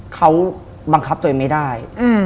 เขาบังคับตัวเองไม่ได้